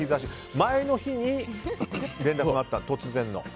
前の日に連絡があったと。